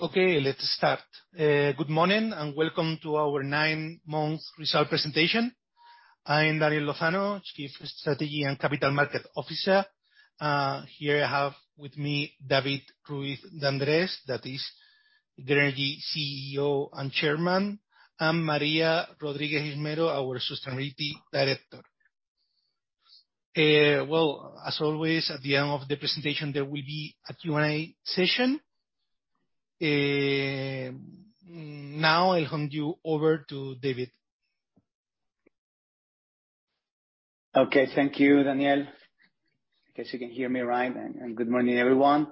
Okay, let's start. Good morning, and welcome to our 9-month result presentation. I'm Daniel Lozano, Chief Strategy and Capital Markets Officer. Here I have with me David Ruiz de Andrés, that is the Grenergy CEO and Chairman, and María Rodríguez Gismero, our Sustainability Director. Well, as always, at the end of the presentation, there will be a Q&A session. Now I'll hand you over to David. Okay. Thank you, Daniel. I guess you can hear me all right. Good morning, everyone.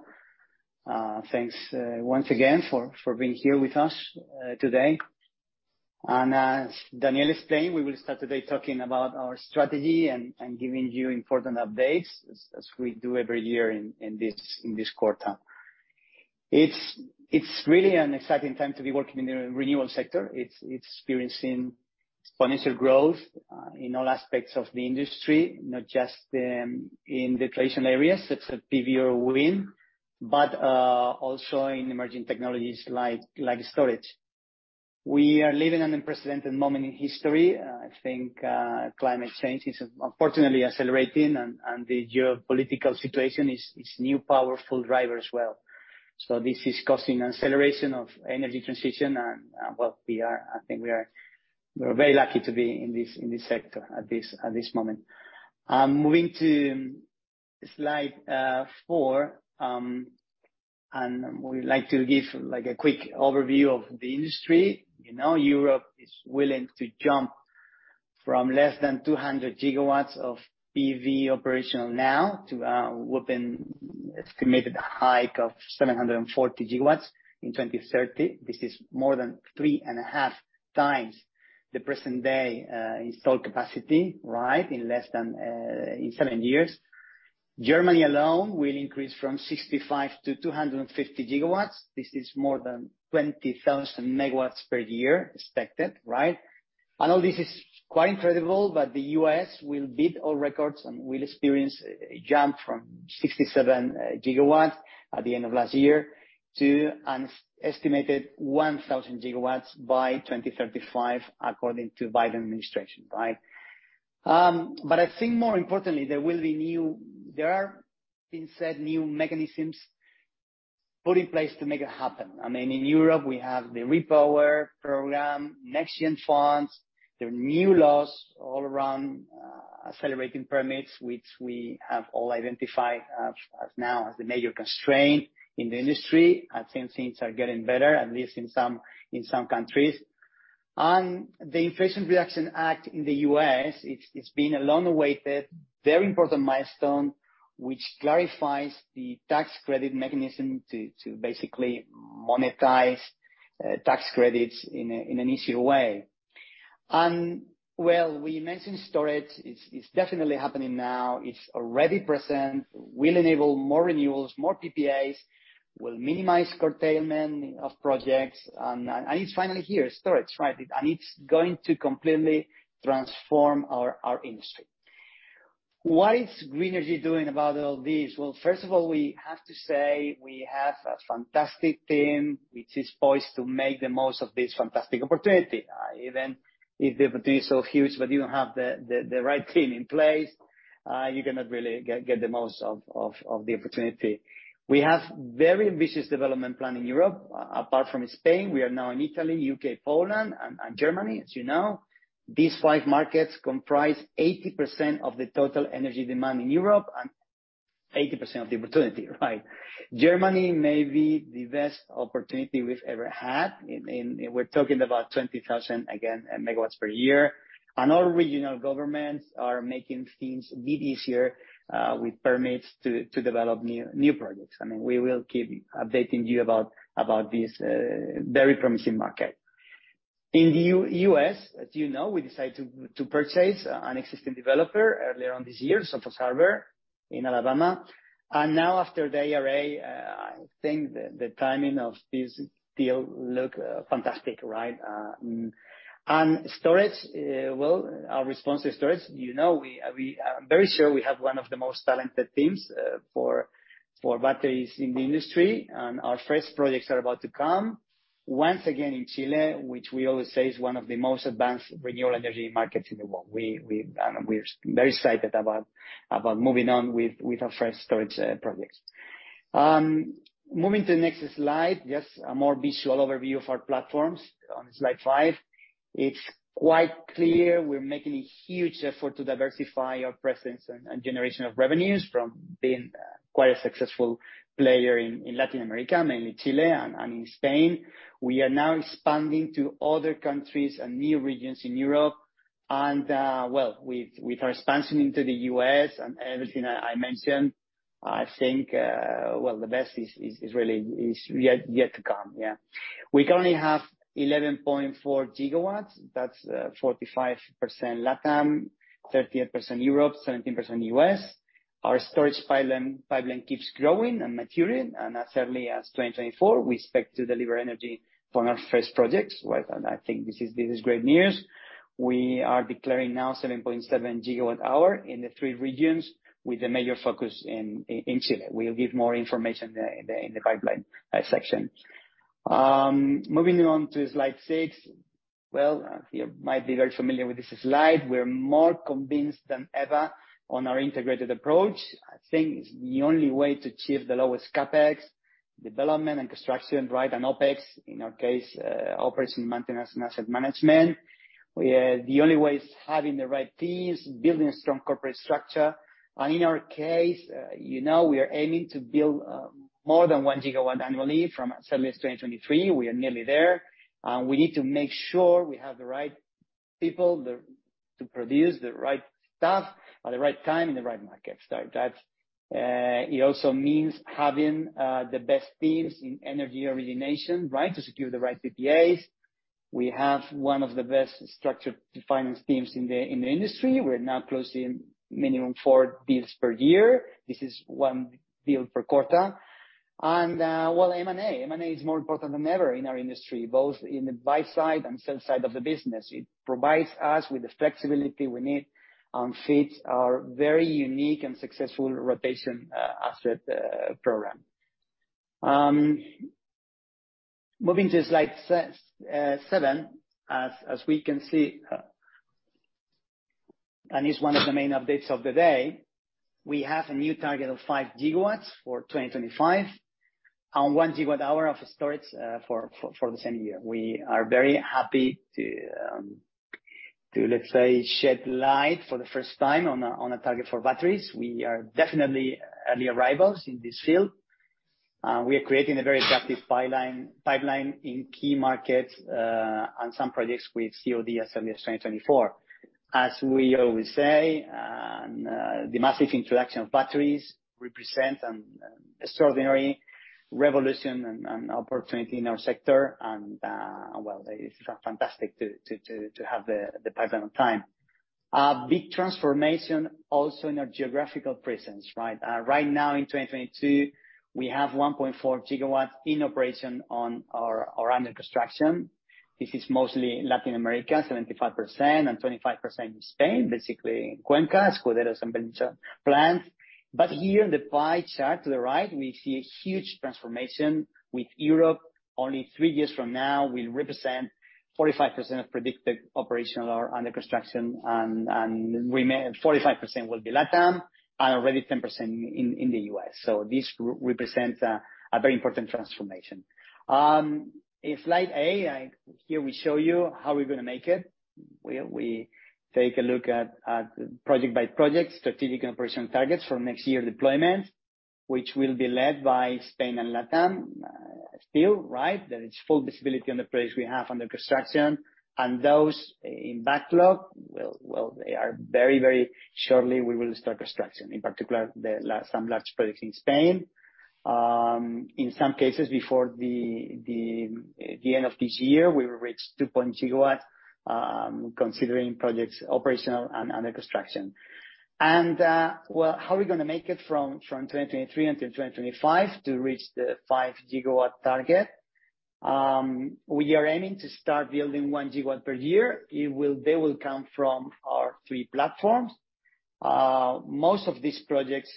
Thanks once again for being here with us today. As Daniel explained, we will start today talking about our strategy and giving you important updates, as we do every year in this quarter. It's really an exciting time to be working in the renewables sector. It's experiencing exponential growth in all aspects of the industry, not just in the traditional areas such as PV or wind, but also in emerging technologies like storage. We are living an unprecedented moment in history. I think climate change is unfortunately accelerating and the geopolitical situation is new powerful driver as well. This is causing acceleration of energy transition. Well, I think we're very lucky to be in this sector at this moment. Moving to slide 4, we'd like to give, like, a quick overview of the industry. You know, Europe is willing to jump from less than 200 GW of PV operational now to what been estimated a hike of 740 GW in 2030. This is more than 3.5 times the present day installed capacity, right? In less than seven years. Germany alone will increase from 65 to 250 GW. This is more than 20,000 MW per year expected, right? All this is quite incredible, but the U.S. will beat all records and will experience a jump from 67 GW at the end of last year to an estimated 1,000 GW by 2035, according to Biden Administration, right? I think more importantly, there are, being said, new mechanisms put in place to make it happen. I mean, in Europe, we have the REPower program, NextGen funds, there are new laws all around, accelerating permits, which we have all identified as now as the major constraint in the industry. I think things are getting better, at least in some countries. The Inflation Reduction Act in the U.S., it's been a long-awaited, very important milestone, which clarifies the tax credit mechanism to basically monetize tax credits in an easier way. Well, we mentioned storage. It's definitely happening now. It's already present, will enable more renewables, more PPAs, will minimize curtailment of projects. It's finally here, storage, right? It's going to completely transform our industry. What is Grenergy doing about all this? Well, first of all, we have to say we have a fantastic team which is poised to make the most of this fantastic opportunity. Even if the opportunity is so huge, but you don't have the right team in place, you cannot really get the most of the opportunity. We have very ambitious development plan in Europe. Apart from Spain, we are now in Italy, U.K., Poland, and Germany as you know. These five markets comprise 80% of the total energy demand in Europe and 80% of the opportunity, right? Germany may be the best opportunity we've ever had. We're talking about 20,000, again, MW per year. All regional governments are making things a bit easier with permits to develop new projects. I mean, we will keep updating you about this very promising market. In the U.S., as you know, we decided to purchase an existing developer earlier on this year, Sofos Harbert in Alabama. Now after the IRA, I think the timing of this deal look fantastic, right? Storage, well, our response to storage, you know, I'm very sure we have one of the most talented teams for batteries in the industry. Our first projects are about to come, once again in Chile, which we always say is one of the most advanced renewable energy markets in the world. We're very excited about moving on with our first storage projects. Moving to the next slide, just a more visual overview of our platforms on slide 5. It's quite clear we're making a huge effort to diversify our presence and generation of revenues from being quite a successful player in Latin America, mainly Chile and in Spain. We are now expanding to other countries and new regions in Europe. Well, with our expansion into the U.S. and everything I mentioned, I think, well, the best is really yet to come. Yeah. We currently have 11.4 GW. That's 45% LATAM, 38% Europe, 17% U.S. Our storage pipeline keeps growing and maturing. As early as 2024, we expect to deliver energy from our first projects. Well, I think this is great news. We are declaring now 7.7 GWh in the three regions with a major focus in Chile. We'll give more information in the pipeline section. Moving on to slide 6. Well, you might be very familiar with this slide. We're more convinced than ever on our integrated approach. I think it's the only way to achieve the lowest CapEx, development, and construction, right, and OpEx, in our case, operations, maintenance, and asset management. The only way is having the right teams, building a strong corporate structure. In our case, you know, we are aiming to build more than 1 GW annually from certainly as 2023, we are nearly there. We need to make sure we have the right people to produce the right stuff at the right time in the right markets. That's, it also means having the best teams in energy origination, right, to secure the right PPAs. We have one of the best structured finance teams in the industry. We're now closing minimum four deals per year. This is one deal per quarter. Well, M&A is more important than ever in our industry, both in the buy side and sell side of the business. It provides us with the flexibility we need, fits our very unique and successful rotation asset program. Moving to slide 7, as we can see, and it's one of the main updates of the day, we have a new target of 5 GW for 2025 and 1 GWh of storage for the same year. We are very happy to, let's say, shed light for the first time on a target for batteries. We are definitely early arrivals in this field. We are creating a very attractive pipeline in key markets and some projects with COD as early as 2024. As we always say, and the massive introduction of batteries represent an extraordinary revolution and opportunity in our sector. Well, it's fantastic to have the pipeline on time. Big transformation also in our geographical presence, right? Right now in 2022, we have 1.4 GW in operation or under construction. This is mostly Latin America, 75%, and 25% in Spain, basically in Cuenca, Escuderos and Belinchón plants. Here in the pie chart to the right, we see a huge transformation with Europe. Only three years from now, we'll represent 45% of predicted operational or under construction. 45% will be LATAM and already 10% in the U.S. This represent a very important transformation. In slide 8, here we show you how we're gonna make it, where we take a look at project by project, strategic and operational targets for next year deployment, which will be led by Spain and LATAM still, right? There is full visibility on the projects we have under construction. Those in backlog will very shortly we will start construction, in particular, some large projects in Spain. In some cases before the end of this year, we will reach 2.0 GW considering projects operational and under construction. Well, how are we gonna make it from 2023 until 2025 to reach the 5 GW target? We are aiming to start building 1 GW per year. They will come from our three platforms. Most of these projects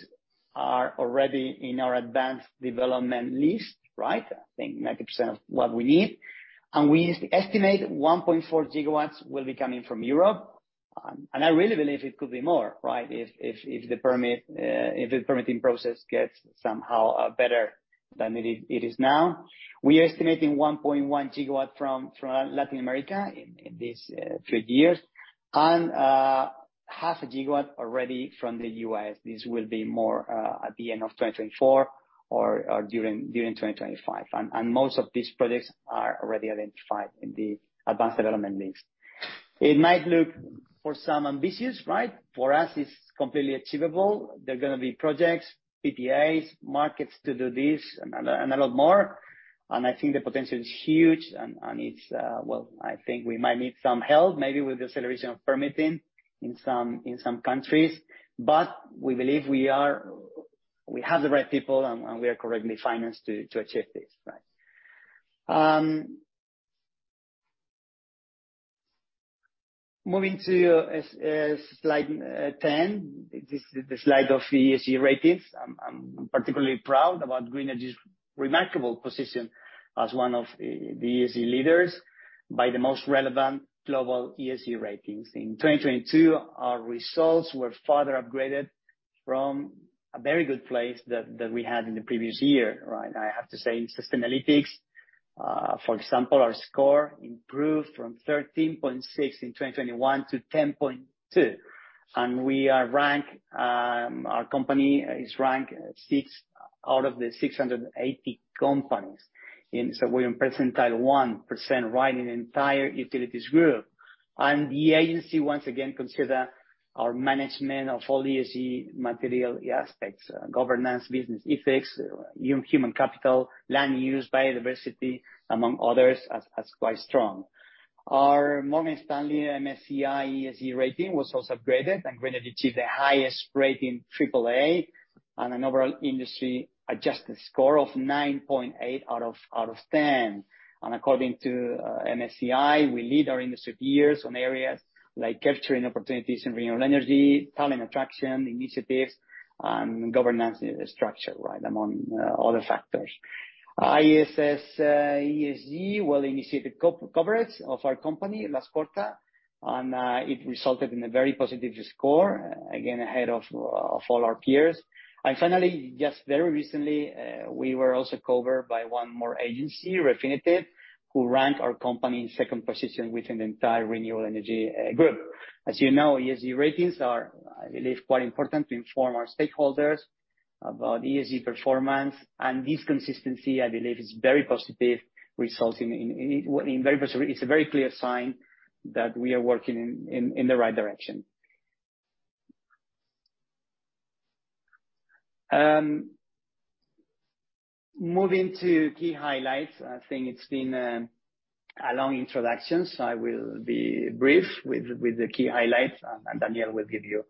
are already in our advanced development list, right? I think 90% of what we need. We estimate 1.4 GW will be coming from Europe. I really believe it could be more, right, if the permitting process gets somehow better than it is now. We are estimating 1.1 GW from Latin America in this three years and half a GW already from the U.S. This will be more at the end of 2024 or during 2025. Most of these projects are already identified in the advanced development list. It might look for some ambitious, right? For us, it's completely achievable. There are gonna be projects, PPAs, markets to do this and a lot more. I think the potential is huge, and it's, well, I think we might need some help maybe with acceleration of permitting in some countries. We believe we have the right people and we are correctly financed to achieve this, right? Moving to slide 10. This is the slide of ESG ratings. I'm particularly proud about Greenergy's remarkable position as one of the ESG leaders by the most relevant global ESG ratings. In 2022, our results were further upgraded from a very good place that we had in the previous year, right? I have to say in Sustainalytics, for example, our score improved from 13.6 in 2021 to 10.2. Our company is ranked six out of the 680 companies. We're in percentile 1% right in the entire utilities group. The agency once again consider our management of all ESG material aspects, governance, business ethics, human capital, land use, biodiversity, among others, as quite strong. Our Morgan Stanley MSCI ESG rating was also upgraded, and Grenergy achieved the highest rating, AAA, and an overall industry-adjusted score of 9.8 out of 10. According to MSCI, we lead our industry peers on areas like capturing opportunities in renewable energy, talent attraction initiatives, and governance structure, right, among other factors. ISS ESG, well, initiated co-coverage of our company last quarter. It resulted in a very positive score, again, ahead of all our peers. Finally, just very recently, we were also covered by one more agency, Refinitiv, who rank our company in second position within the entire renewable energy group. As you know, ESG ratings are, I believe, quite important to inform our stakeholders about ESG performance. This consistency, I believe, is very positive. It's a very clear sign that we are working in the right direction. Moving to key highlights, I think it's been a long introduction. I will be brief with the key highlights, and Daniel will give you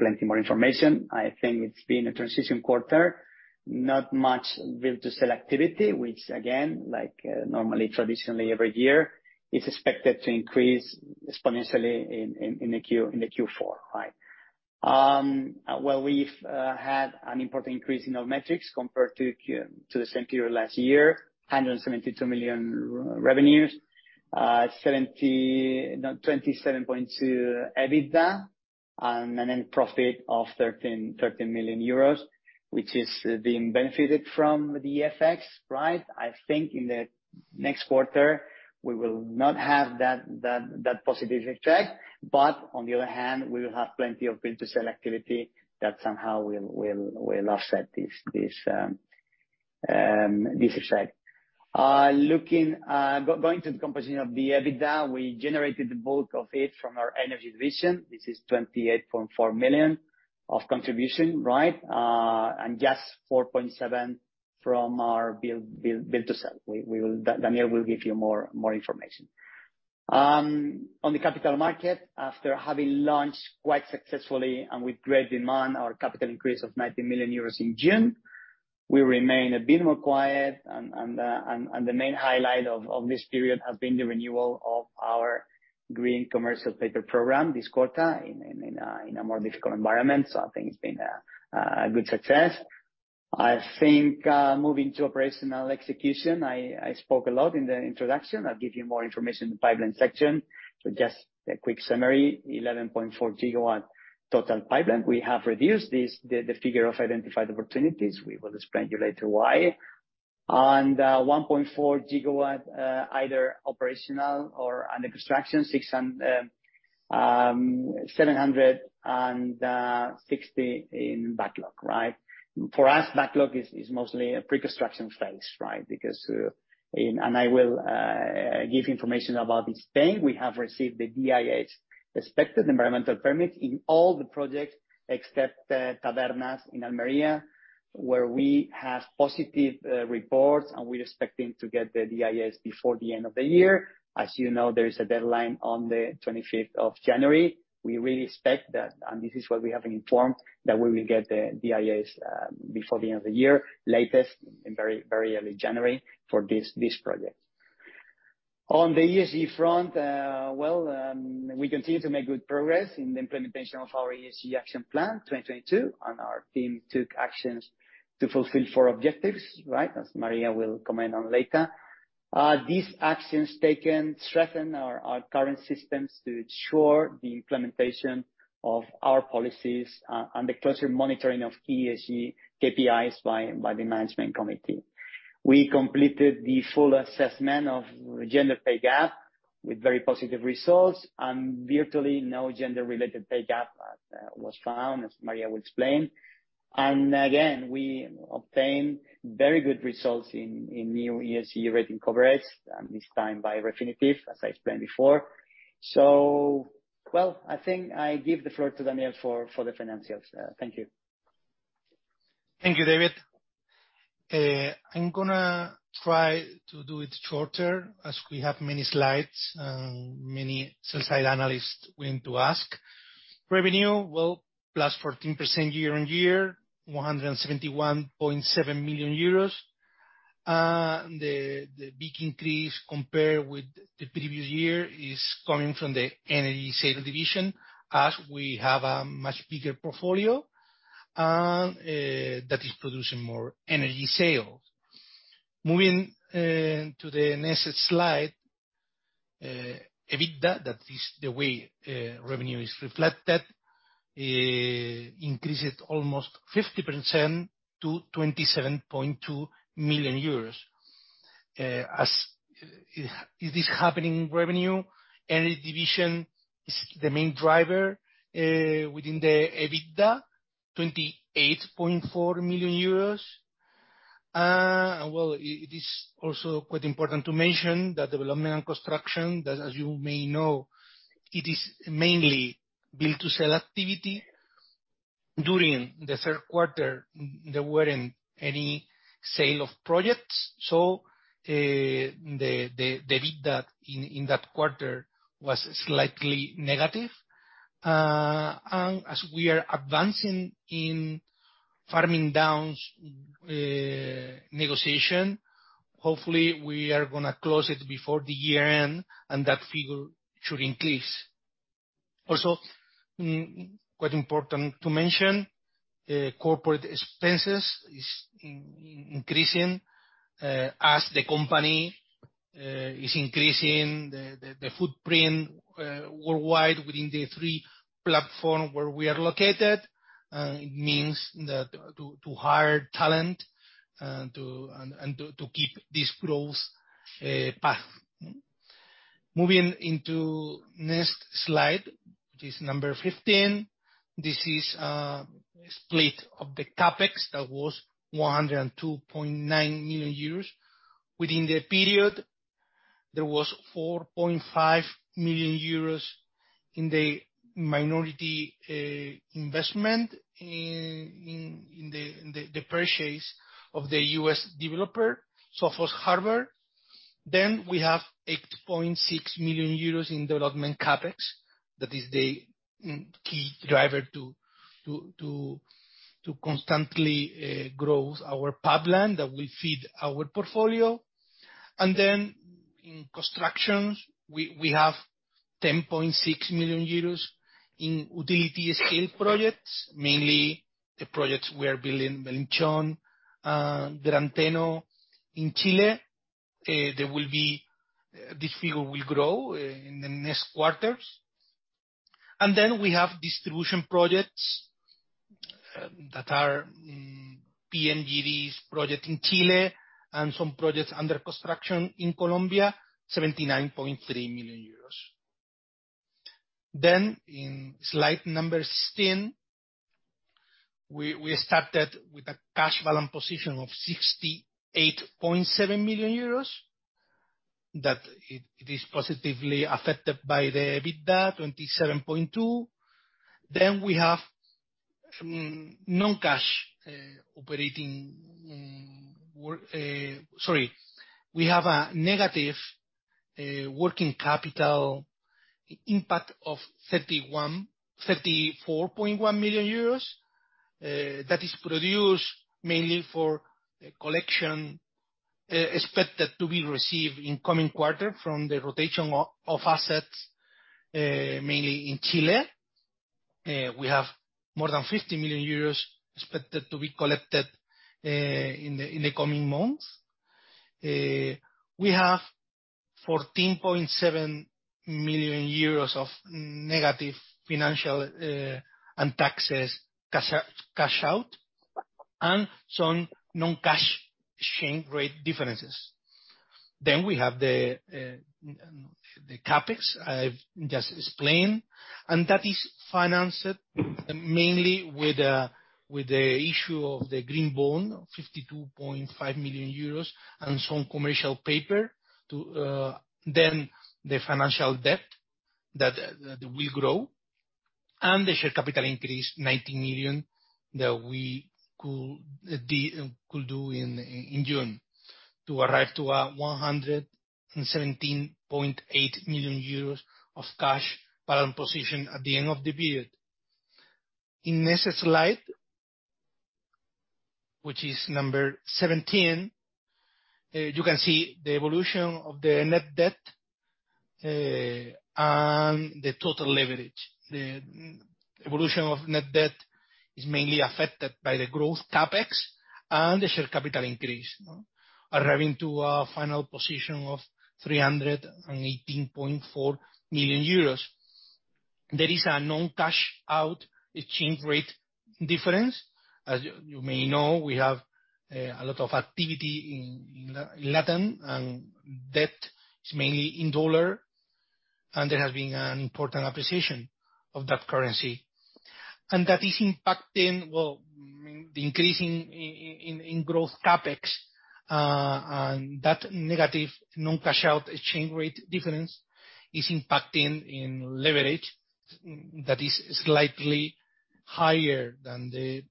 plenty more information. I think it's been a transition quarter. Not much build to sell activity, which again, like normally traditionally every year, is expected to increase exponentially in the Q4, right? Well, we've had an important increase in our metrics compared to the same period last year, 172 million revenues. no, 27.2 EBITDA, and an end profit of 13 million euros, which is, uh, being benefited from the FX, right? I think in the next quarter, we will not have that, that positive effect, but on the other hand, we will have plenty of build to sell activity that somehow will, will offset this, um, this effect. Uh, looking, uh, g-going to the composition of the EBITDA, we generated the bulk of it from our energy division. This is 28.4 million of contribution, right? Uh, and just 4.7 from our build, build to sell. We, we will, Da-Daniel will give you more, more information. On the capital market, after having launched quite successfully and with great demand our capital increase of 90 million euros in June, we remain a bit more quiet, and the main highlight of this period has been the renewal of our green commercial paper program this quarter in a more difficult environment. I think it's been a good success. I think moving to operational execution, I spoke a lot in the introduction. I'll give you more information in the pipeline section. Just a quick summary, 11.4 GW total pipeline. We have reduced this, the figure of identified opportunities. We will explain to you later why. 1.4 GW either operational or under construction, 760 in backlog, right? For us, backlog is mostly a pre-construction phase, right? I will give information about this thing. We have received the DIA expected environmental permit in all the projects except Tabernas in Almería, where we have positive reports, and we're expecting to get the DIA before the end of the year. As you know, there is a deadline on the 25th of January. We really expect that, and this is what we have informed, that we will get the DIAs before the end of the year, latest in very, very early January for this project. On the ESG front, well, we continue to make good progress in the implementation of our ESG action plan 2022, and our team took actions to fulfill four objectives, right? As María will comment on later. These actions taken strengthen our current systems to ensure the implementation of our policies and the closer monitoring of key ESG KPIs by the Management Committee. We completed the full assessment of gender pay gap with very positive results, and virtually no gender-related pay gap was found, as María will explain. Again, we obtained very good results in new ESG rating coverage, and this time by Refinitiv, as I explained before. Well, I think I give the floor to Daniel for the financials. Thank you. Thank you, David. I'm gonna try to do it shorter as we have many slides, and many sell-side analysts waiting to ask. Revenue, well, plus 14% year-on-year, EUR 171.7 million. The big increase compared with the previous year is coming from the energy saving division as we have a much bigger portfolio and that is producing more energy sales. Moving to the next slide, EBITDA, that is the way revenue is reflected, increased almost 50% to 27.2 million euros. As it is happening revenue, energy division is the main driver within the EBITDA, 28.4 million euros. Well, it is also quite important to mention that development and construction, that as you may know, it is mainly build to sell activity. During the third quarter, there weren't any sale of projects. The EBITDA in that quarter was slightly negative. As we are advancing in farm-downs negotiation, hopefully we are gonna close it before the year-end, and that figure should increase. Also, quite important to mention, the corporate expenses is increasing as the company is increasing the footprint worldwide within the three platform where we are located. It means that to hire talent and to keep this growth path. Moving into next slide, which is number 15, this is split of the CapEx that was 102.9 million euros. Within the period, there was 4.5 million euros in the minority investment in the purchase of the U.S. developer, Sofos Harbert. We have 8.6 million euros in development CapEx. That is the key driver to constantly grow our pipeline that will feed our portfolio. In constructions, we have 10.6 million euros in utility scale projects, mainly the projects we are building Planchón, Gran Teno in Chile. This figure will grow in the next quarters. We have distribution projects that are PMGDs project in Chile and some projects under construction in Colombia, 79.3 million euros. In slide number 16, we started with a cash balance position of 68.7 million euros, that it is positively affected by the EBITDA, EUR 27.2. We have a negative working capital impact of 34.1 million euros that is produced mainly for the collection expected to be received in coming quarter from the rotation of assets, mainly in Chile. We have more than 50 million euros expected to be collected in the coming months. We have 14.7 million euros of negative financial and taxes cash out, and some non-cash exchange rate differences. We have the CapEx, I've just explained, and that is financed mainly with the issue of the Green Bond, 52.5 million euros and some commercial paper. The financial debt that will grow, and the share capital increase, 90 million, that we could do in June, to arrive to 117.8 million euros of cash balance position at the end of the period. In next slide, which is number 17, you can see the evolution of the net debt and the total leverage. The evolution of net debt is mainly affected by the growth CapEx and the share capital increase, arriving to a final position of 318.4 million euros. There is a non-cash out exchange rate difference. As you may know, we have a lot of activity in Latin, and debt is mainly in dollar, and there has been an important appreciation of that currency. That is impacting, well, the increasing in growth CapEx. That negative non-cash out exchange rate difference is impacting in leverage that is slightly higher than the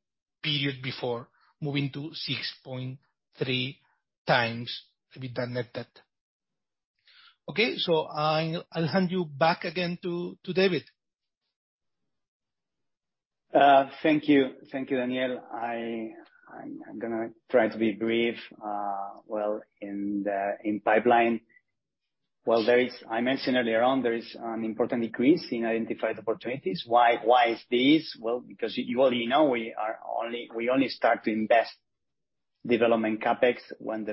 period before, moving to 6.3x EBITDA net debt. Okay, I'll hand you back again to David. Thank you, Daniel. I'm gonna try to be brief. Well, in the pipeline, well, I mentioned earlier on, there is an important decrease in identified opportunities. Why is this? Well, because you already know we only start to invest development CapEx when,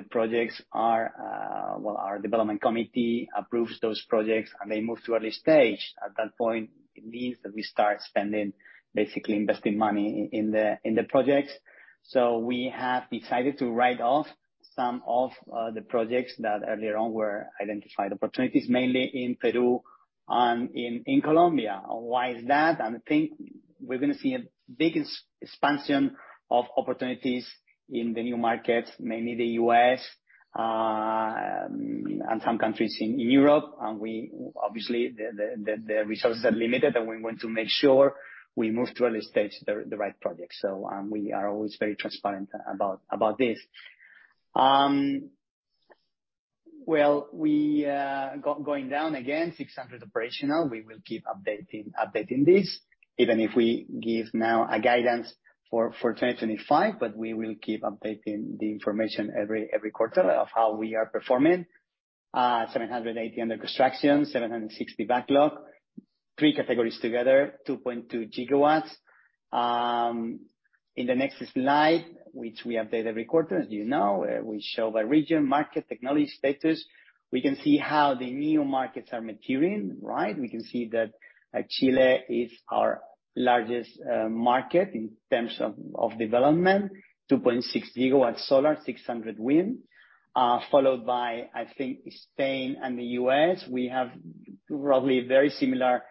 well, our development committee approves those projects and they move to early stage. At that point, it means that we start spending, basically investing money in the projects. We have decided to write off some of the projects that earlier on were identified opportunities, mainly in Peru and in Colombia. Why is that? I think we're gonna see a big expansion of opportunities in the new markets, mainly the U.S. and some countries in Europe. Obviously, the resources are limited, and we want to make sure we move to early stage the right project. We are always very transparent about this. Well, we going down again, 600 operational. We will keep updating this, even if we give now a guidance for 2025, but we will keep updating the information every quarter of how we are performing. 780 under construction, 760 backlog. Three categories together, 2.2 GW. In the next slide, which we update every quarter, as you know, we show by region, market, technology, status. We can see how the new markets are maturing, right? We can see that, like, Chile is our largest market in terms of development, 2.6 GW solar, 600 wind. Followed by, I think, Spain and the U.S. We have probably a very similar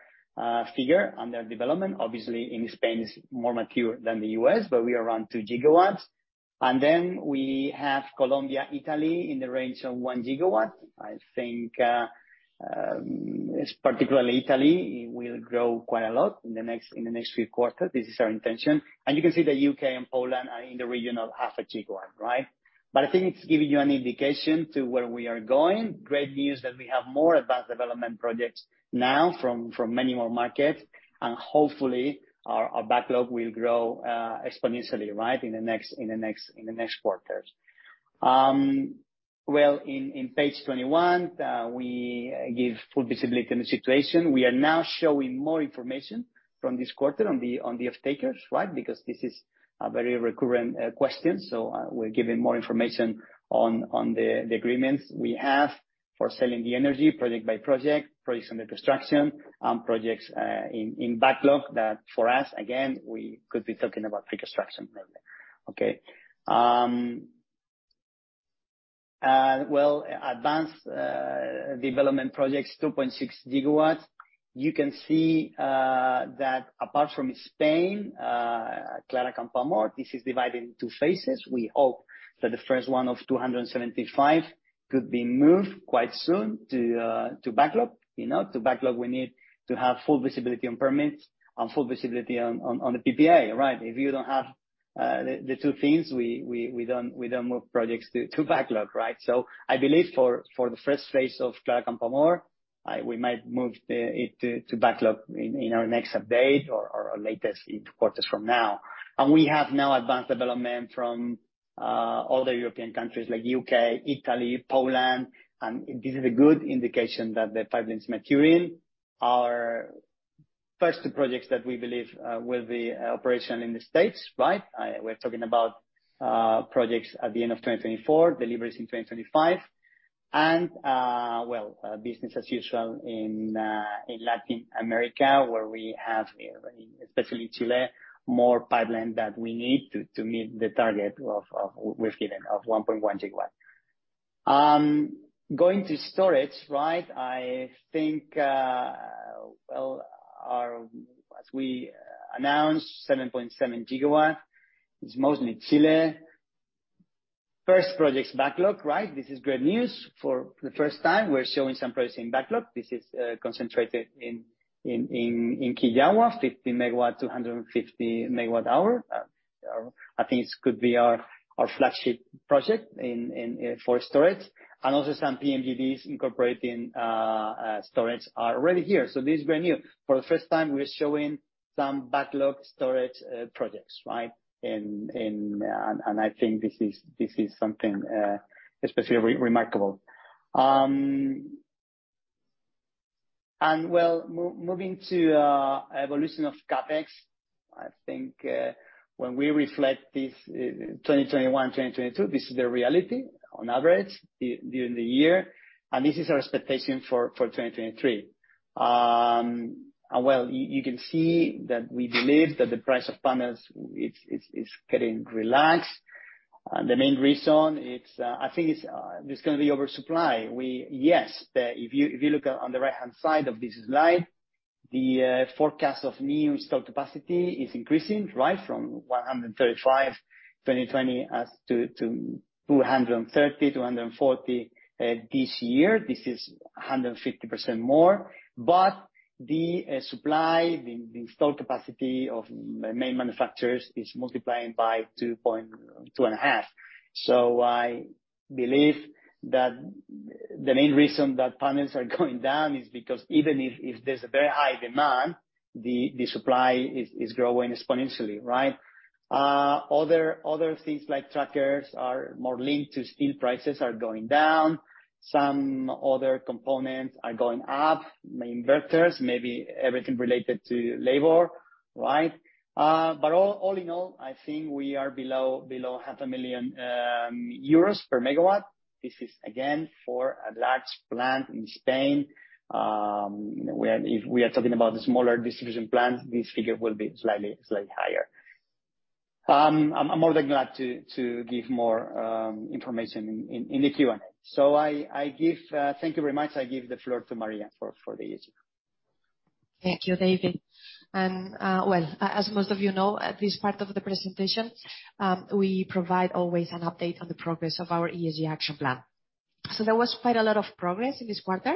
figure under development. Obviously, in Spain, it's more mature than the U.S., but we are around 2 GW. We have Colombia, Italy in the range of 1 GW. I think particularly Italy will grow quite a lot in the next few quarters. This is our intention. You can see that U.K. and Poland are in the region of 0.5 GW, right? I think it's giving you an indication to where we are going. Great news that we have more advanced development projects now from many more markets, and hopefully our backlog will grow exponentially, right, in the next quarters. Well, in page 21, we give full visibility on the situation. We are now showing more information from this quarter on the off-takers, right? Because this is a very recurrent question, we're giving more information on the agreements we have for selling the energy project by project, projects under construction, and projects in backlog that, for us, again, we could be talking about pre-construction maybe. Okay. Well, advanced development projects, 2.6 GW. You can see that apart from Spain, Clara Campoamor, this is divided in two phases. We hope that the first one of 275 could be moved quite soon to backlog. You know, to backlog, we need to have full visibility on permits and full visibility on the PPA, right? If you don't have the two things, we don't move projects to backlog, right? I believe for the first phase of Clara Campoamor, we might move it to backlog in, you know, next update or latest quarters from now. We have now advanced development from other European countries like U.K., Italy, Poland, and this is a good indication that the pipeline is maturing. Our first two projects that we believe will be operational in the States, right? We're talking about projects at the end of 2024, deliveries in 2025. Well, business as usual in Latin America, where we have in especially Chile, more pipeline that we need to meet the target of we've given of 1.1 GW. Going to storage, right? I think, well, as we announced, 7.7 GW is mostly Chile. First, projects backlog, right? This is great news. For the first time, we're showing some projects in backlog. This is concentrated in Quillagua, 50 MW, 250 MWh. I think it's could be our flagship project in for storage. Also some PMGDs incorporating storage are already here. This is brand new. For the first time, we're showing some backlog storage projects, right? In, I think this is something especially remarkable. Well, moving to evolution of CapEx. I think when we reflect this 2021, 2022, this is the reality on average during the year, and this is our expectation for 2023. Well, you can see that we believe that the price of panels is getting relaxed. The main reason is, I think it's just gonna be oversupply. Yes, if you look on the right-hand side of this slide, the forecast of new installed capacity is increasing, right, from 135, 2020 to 230-240 this year. This is 150% more. The supply, the installed capacity of main manufacturers is multiplying by 2.5. I believe that the main reason that panels are going down is because even if there's a very high demand, the supply is growing exponentially, right? Other things like trackers are more linked to steel prices, are going down. Some other components are going up. Main inverters, maybe everything related to labor, right? All in all, I think we are below 0.5 million euros per megawatt. This is again for a large plant in Spain, where if we are talking about the smaller distribution plant, this figure will be slightly higher. I'm more than glad to give more information in the Q&A. Thank you very much. I give the floor to María for the ESG. Thank you, David. Well, as most of you know, at this part of the presentation, we provide always an update on the progress of our ESG action plan. There was quite a lot of progress in this quarter.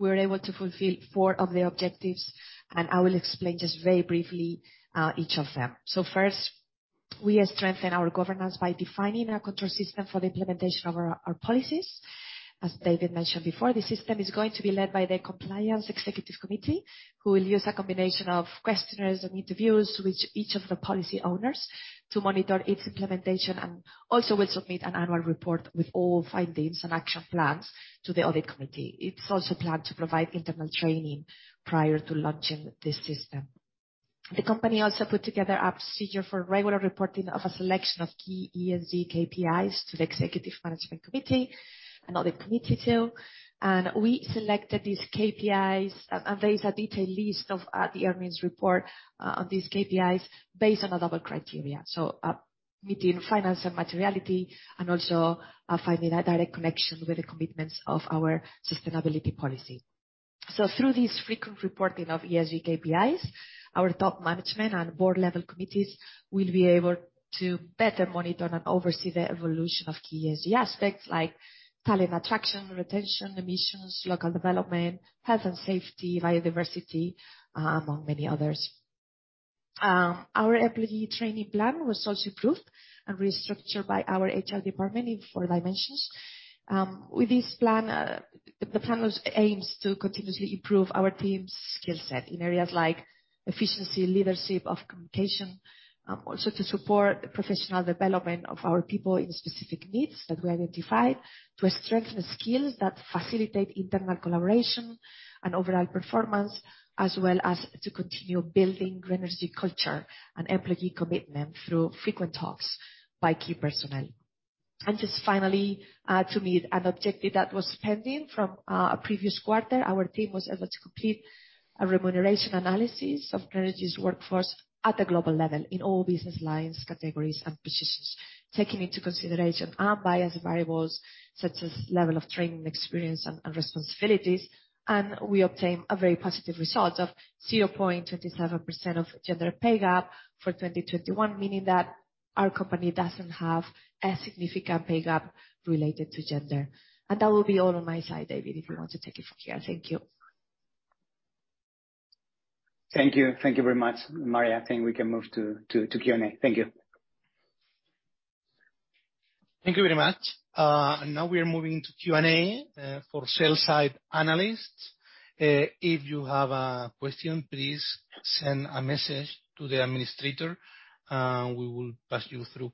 We were able to fulfill four of the objectives, and I will explain just very briefly each of them. First, we have strengthened our governance by defining a control system for the implementation of our policies. As David mentioned before, the system is going to be led by the Compliance Executive Committee, who will use a combination of questionnaires and interviews with each of the policy owners to monitor its implementation and also will submit an annual report with all findings and action plans to the Audit Committee. It's also planned to provide internal training prior to launching this system. The company also put together a procedure for regular reporting of a selection of key ESG KPIs to the executive management committee and audit committee too. We selected these KPIs, and there is a detailed list of the earnings report on these KPIs based on a double criteria. Between finance and materiality, and also finding a direct connection with the commitments of our sustainability policy. Through this frequent reporting of ESG KPIs, our top management and board-level committees will be able to better monitor and oversee the evolution of key ESG aspects like talent attraction, retention, emissions, local development, health and safety, biodiversity, among many others. Our employee training plan was also approved and restructured by our HR department in four dimensions. With this plan, the plan aims to continuously improve our team's skill set in areas like efficiency, leadership of communication, also to support professional development of our people in specific needs that we identified, to strengthen skills that facilitate internal collaboration and overall performance, as well as to continue building Grenergy culture and employee commitment through frequent talks by key personnel. Just finally, to meet an objective that was pending from a previous quarter, our team was able to complete a remuneration analysis of Grenergy's workforce at a global level in all business lines, categories and positions, taking into consideration unbiased variables such as level of training, experience and responsibilities. We obtain a very positive result of 0.27% of gender pay gap for 2021, meaning that our company doesn't have a significant pay gap related to gender. That will be all on my side, David, if you want to take it from here. Thank you. Thank you. Thank you very much, María. I think we can move to Q&A. Thank you. Thank you very much. Now we are moving to Q&A for sell-side analysts. If you have a question, please send a message to the administrator, and we will pass you through.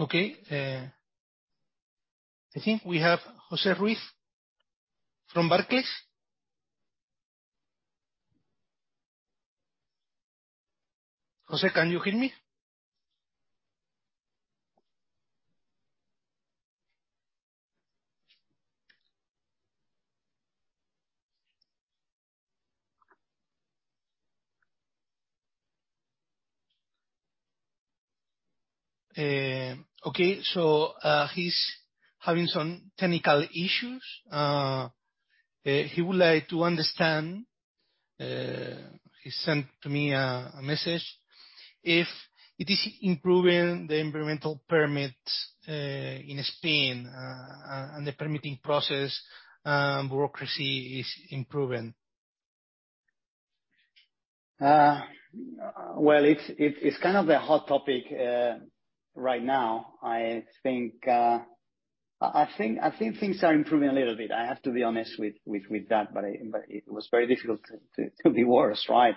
Okay, I think we have José Ruiz from Barclays. José, can you hear me? Okay, he is having some technical issues. He would like to understand, he sent to me a message, if it is improving the environmental permits in Spain and the permitting process bureaucracy is improving. Well, it's kind of a hot topic right now. I think things are improving a little bit. I have to be honest with that. It was very difficult to be worse, right?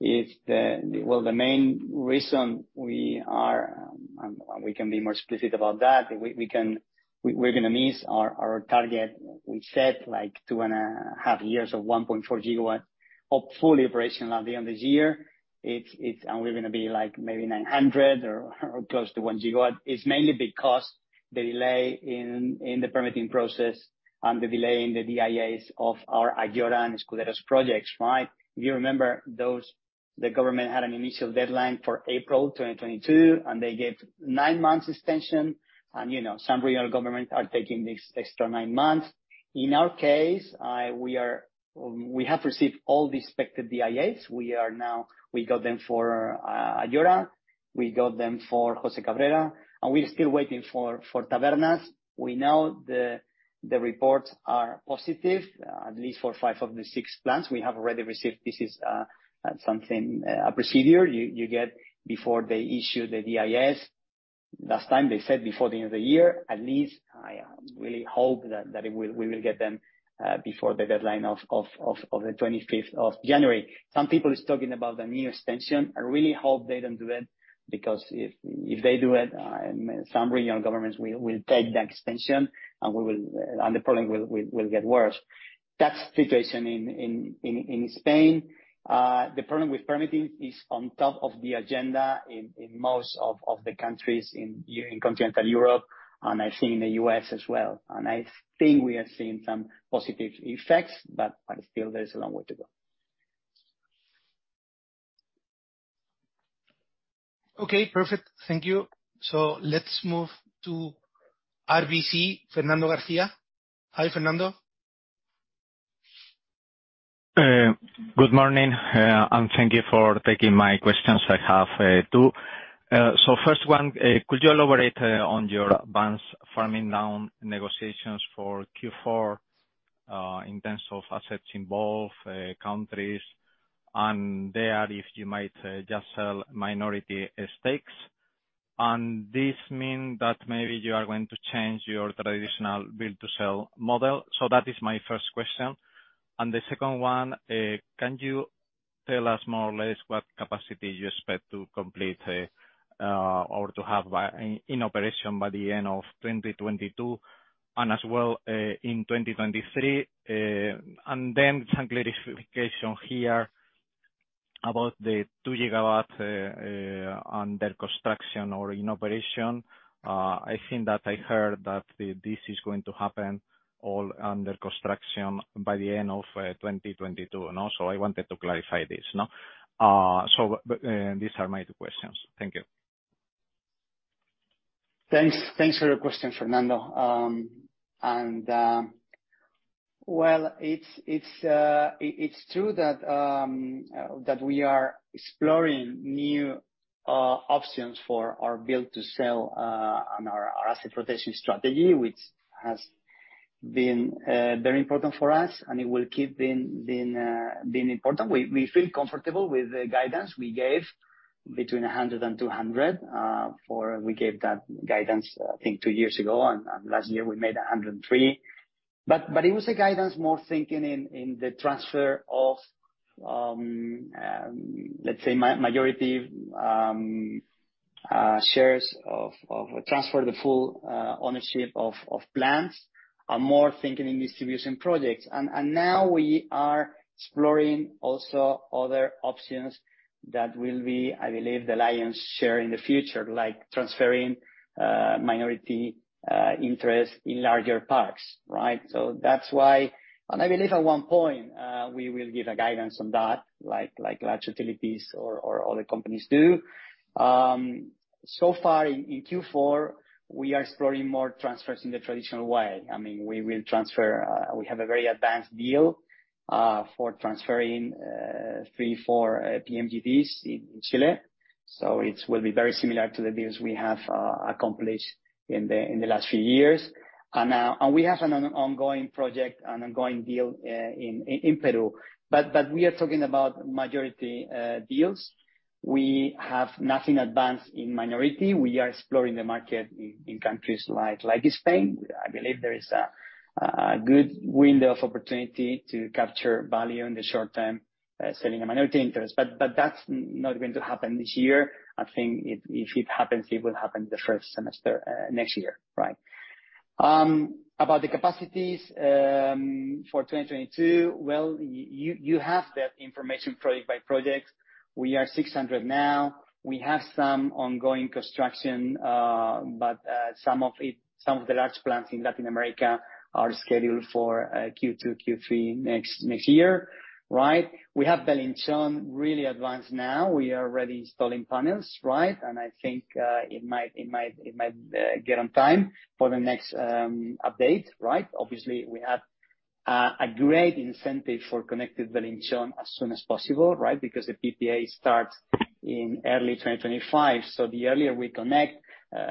Well, the main reason we are, and we can be more explicit about that, we're gonna miss our target. We said, like, two and a half years of 1.4 GW of full operation at the end of this year. We're gonna be, like, maybe 900 or close to 1 GW. It's mainly because the delay in the permitting process and the delay in the DIAs of our Ayora and Escuderos projects, right? If you remember those, the government had an initial deadline for April 2022, and they gave nine months extension. You know, some regional government are taking these extra nine months. In our case, we have received all the expected DIAs. We got them for Ayora, we got them for José Cabrera, and we're still waiting for Tabernas. We know the reports are positive, at least for five of the six plants we have already received. This is something, a procedure you get before they issue the DIAs. Last time, they said before the end of the year at least. I really hope that we will get them before the deadline of the 25th of January. Some people is talking about a new extension. I really hope they don't do it, because if they do it, some regional governments will take the extension, and the problem will get worse. That's situation in Spain. The problem with permitting is on top of the agenda in most of the countries in continental Europe, and I've seen in the U.S. as well. I think we are seeing some positive effects, but still there is a long way to go. Okay, perfect. Thank you. Let's move to RBC, Fernando Garcia. Hi, Fernando. Good morning, and thank you for taking my questions. I have two. First one, could you elaborate on your balance farm-down negotiations for Q4 in terms of assets involved, countries, and there, if you might just sell minority stakes? This mean that maybe you are going to change your traditional build to sell model? That is my first question. The second one, can you tell us more or less what capacity you expect to complete or to have in operation by the end of 2022, and as well in 2023? Some clarification here about the 2 GW under construction or in operation. I think that I heard that this is going to happen all under construction by the end of 2022, no? I wanted to clarify this, no. These are my two questions. Thank you. Thanks for your question, Fernando. Well, it's true that we are exploring new options for our build to sell and our asset rotation strategy, which has been very important for us, and it will keep being important. We feel comfortable with the guidance we gave between 100 and 200. We gave that guidance, I think two years ago, and last year we made 103. It was a guidance more thinking in the transfer of, let's say majority shares of transfer the full ownership of plants or more thinking in distribution projects. Now we are exploring also other options that will be, I believe, the lion's share in the future, like transferring minority interest in larger parks, right? That's why I believe at one point we will give a guidance on that, like large utilities or other companies do. So far in Q4, we are exploring more transfers in the traditional way. I mean, we will transfer, we have a very advanced deal for transferring three-four PMGDs in Chile. It will be very similar to the deals we have accomplished in the last few years. We have an ongoing project, an ongoing deal in Peru. We are talking about majority deals. We have nothing advanced in minority. We are exploring the market in countries like Spain. I believe there is a good window of opportunity to capture value in the short term selling a minority interest. That's not going to happen this year. I think if it happens, it will happen the first semester next year. Right. About the capacities for 2022, well, you have that information project by project. We are 600 now. We have some ongoing construction, but some of the large plants in Latin America are scheduled for Q2, Q3 next year. Right? We have Belinchón really advanced now. We are already installing panels, right? I think it might get on time for the next update. Right? Obviously, we have a great incentive for connecting Belinchón as soon as possible, right? Because the PPA starts in early 2025. The earlier we connect,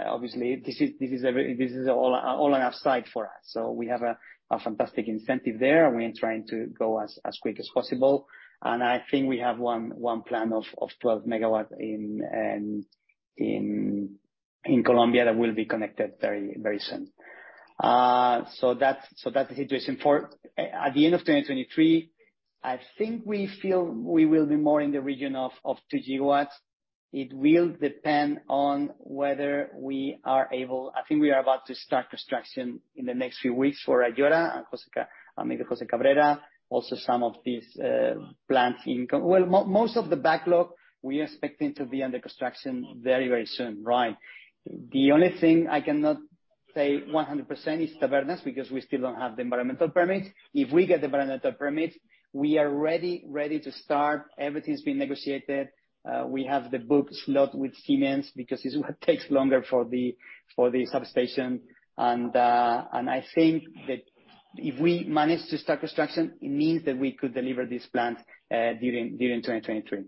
obviously this is all an upside for us. We have a fantastic incentive there, and we are trying to go as quick as possible. I think we have one plant of 12 MW in Colombia that will be connected very soon. That's the situation. At the end of 2023, I think we feel we will be more in the region of 2 GW. I think we are about to start construction in the next few weeks for Ayora and, I mean, José Cabrera. Most of the backlog, we are expecting to be under construction very soon. Right. The only thing I cannot say 100% is Tabernas, because we still don't have the environmental permits. If we get the environmental permits, we are ready to start. Everything's been negotiated. We have the book slot with Siemens because it's what takes longer for the substation. I think that if we manage to start construction, it means that we could deliver this plant during 2023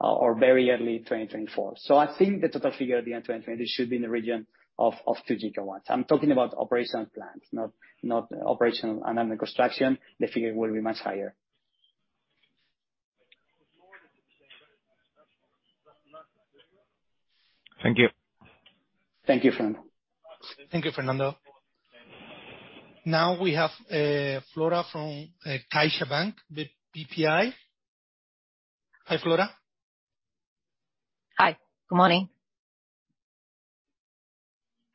or very early 2024. I think the total figure at the end of 2023 should be in the region of 2 GW. I'm talking about operational plants, not operational. Under construction, the figure will be much higher. Thank you. Thank you, Fernando. Thank you, Fernando. Now we have Flora from CaixaBank BPI. Hi, Flora. Hi. Good morning.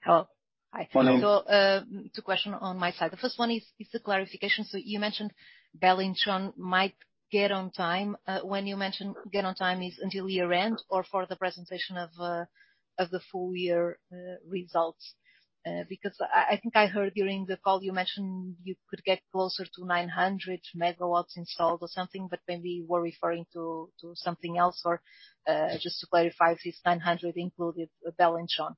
Hello. Hi. Good morning. Two question on my side. The first one is a clarification. You mentioned Belinchón might get on time. When you mention get on time, is until year-end or for the presentation of the full year results? Because I think I heard during the call you mentioned you could get closer to 900 MW installed or something, but maybe you were referring to something else, or just to clarify if 900 included Belinchón.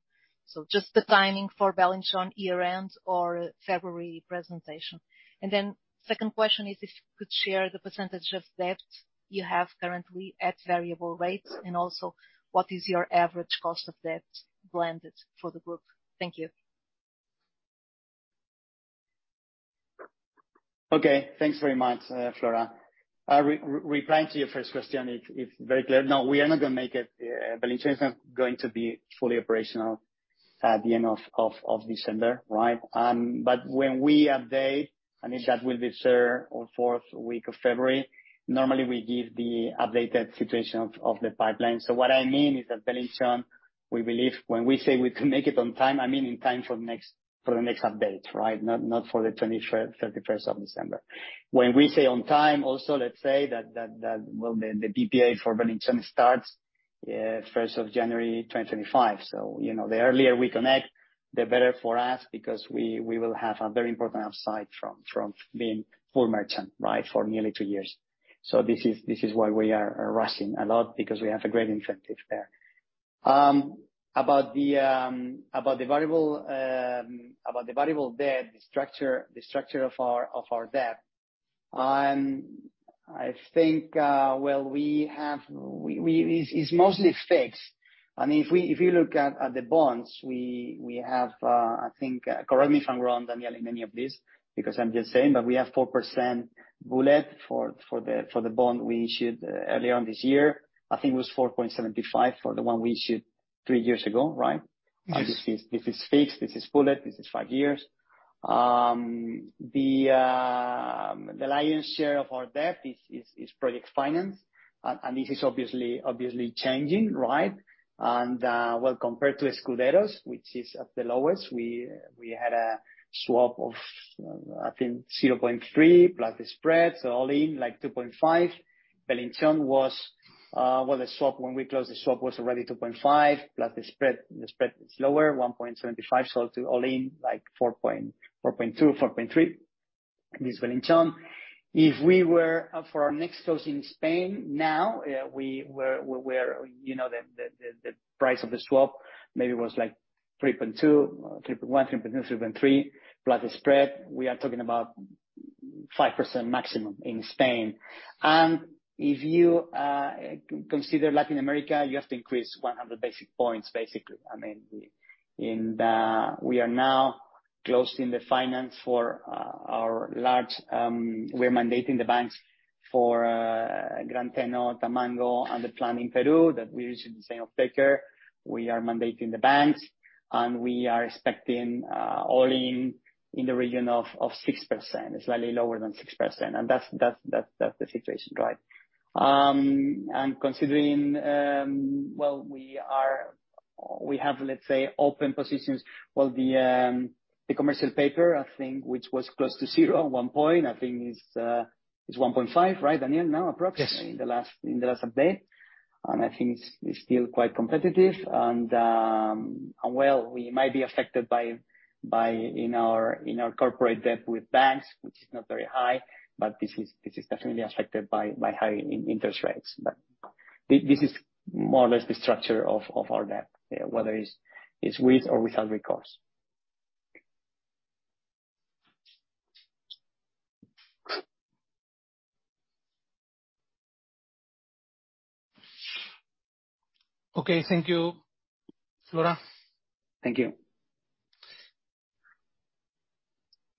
Just the timing for Belinchón year-end or February presentation. Second question is if you could share the percentage of debt you have currently at variable rates, and also what is your average cost of debt blended for the group? Thank you. Okay. Thanks very much, Flora. Replying to your first question, it's very clear. No, we are not gonna make it. Belinchón is not going to be fully operational at the end of December, right? When we update, I mean, that will be third or fourth week of February. Normally we give the updated situation of the pipeline. What I mean is that Belinchón, we believe when we say we can make it on time, I mean in time for the next update, right? Not for the 31st of December. When we say on time, also, let's say that, well, the PPA for Belinchón starts, first of January 2025. You know, the earlier we connect, the better for us because we will have a very important upside from being full merchant, right? For nearly 2 years. This is why we are rushing a lot because we have a great incentive there. About the variable debt, the structure of our debt, I think, well, it's mostly fixed. I mean, if you look at the bonds, we have, I think, correct me if I'm wrong, Daniel, in any of this, because I'm just saying, but we have 4% bullet for the bond we issued earlier on this year. I think it was 4.75% for the one we issued 3 years ago, right? Yes. This is fixed, this is bullet, this is five years. The lion's share of our debt is project finance. This is obviously changing, right? Well, compared to Escuderos, which is at the lowest, we had a swap of, I think, 0.3% plus the spread, all in, like, 2.5%. Belinchón was, well, the swap, when we closed the swap was already 2.5% plus the spread. The spread is lower, 1.75%. All in, like, 4.2%-4.3%. This Belinchón. If we were up for our next close in Spain now, you know, the price of the swap maybe was like 3.2%, 3.1%, 3.3%, plus the spread, we are talking about 5% maximum in Spain. If you consider Latin America, you have to increase 100 basis points, basically. I mean, we're mandating the banks for Gran Teno, Tamango and the plant in Peru that we recently signed off paper. We are mandating the banks, and we are expecting all-in, in the region of 6%, slightly lower than 6%. That's the situation, right? Considering, well, we have, let's say, open positions. Well, the commercial paper, I think, which was close to 0% at one point, I think is 1.5%, right, Daniel, now, approximately. Yes. In the last update. I think it's still quite competitive. Well, we might be affected in our corporate debt with banks, which is not very high, but this is definitely affected by high interest rates. This is more or less the structure of our debt, yeah, whether it's with or without recourse. Okay. Thank you, Flora. Thank you.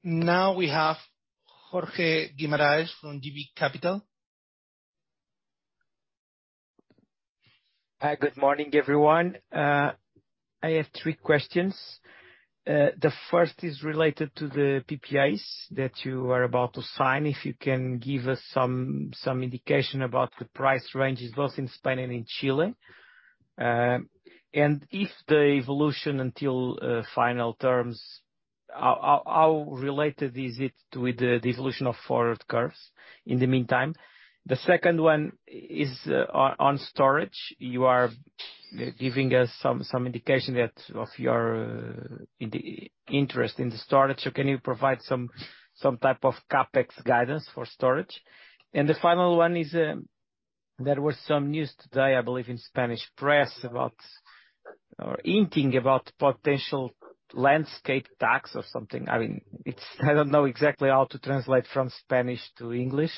Now we have Jorge Guimarães from JB Capital. Good morning, everyone. I have 3 questions. The first is related to the PPAs that you are about to sign. If you can give us some indication about the price ranges, both in Spain and in Chile? If the evolution until final terms, how related is it to with the evolution of forward curves in the meantime? The second one is on storage. You are giving us some indication that of your interest in the storage. Can you provide some type of CapEx guidance for storage? The final one is, there was some news today, I believe, in Spanish press about or inking about potential landscape tax or something. I mean, I don't know exactly how to translate from Spanish to English.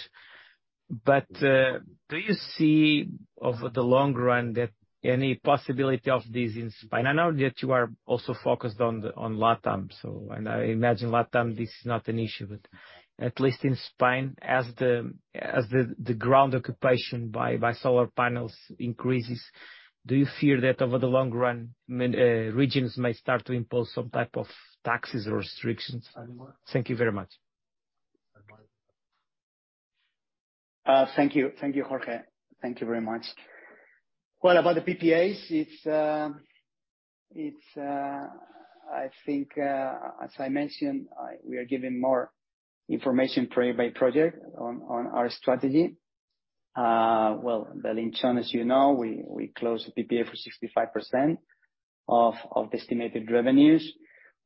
Do you see over the long run that any possibility of this in Spain? I know that you are also focused on LATAM, and I imagine LATAM, this is not an issue, but at least in Spain, as the ground occupation by solar panels increases, do you fear that over the long run, regions may start to impose some type of taxes or restrictions? Thank you very much. Thank you. Thank you, Jorge. Thank you very much. Well, about the PPAs, I think, as I mentioned, we are giving more information project by project on our strategy. Well, Belinchón, as you know, we closed the PPA for 65% of the estimated revenues.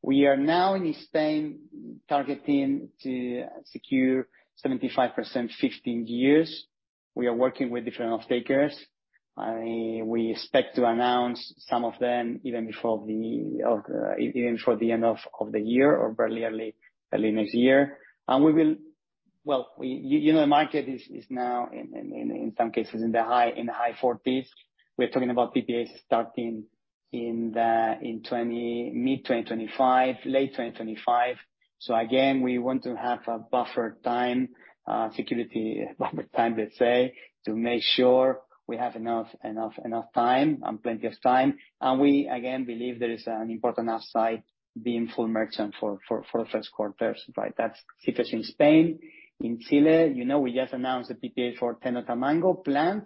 We are now in Spain targeting to secure 75% 15 years. We are working with different off-takers. We expect to announce some of them even before the end of the year or very early next year. Well, you know, the market is now in some cases in the high 40s. We're talking about PPAs starting in mid-2025, late 2025. Again, we want to have a buffer time, security buffer time, let's say, to make sure we have enough time, plenty of time. We, again, believe there is an important upside being full merchant for the first quarters, right? That's CIFs in Spain. In Chile, you know, we just announced the PPA for Tamango plant.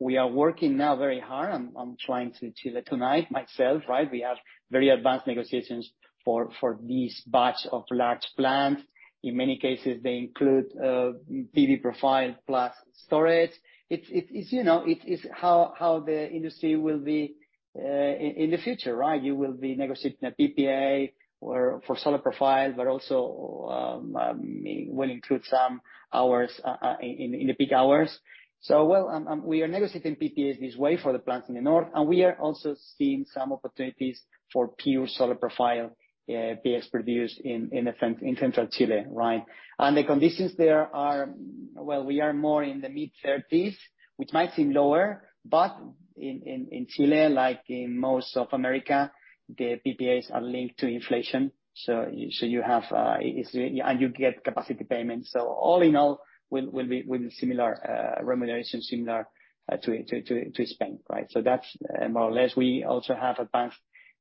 We are working now very hard. I'm flying to Chile tonight myself, right? We have very advanced negotiations for this batch of large plants. In many cases, they include PV profile plus storage. It is, you know, it is how the industry will be in the future, right? You will be negotiating a PPA for solar profile, but also will include some hours in the peak hours. So well, um, we are negotiating PPAs this way for the plants in the north, and we are also seeing some opportunities for pure solar profile, uh, best produced in the cen-- in central Chile, right? And the conditions there are... Well, we are more in the mid-thirties, which might seem lower, but in, in Chile, like in most of America, the PPAs are linked to inflation. So, so you have, uh, it's-- and you get capacity payments. So all in all, will be, will be similar, uh, remuneration similar, uh, to, to Spain, right? So that's more or less. We also have advanced,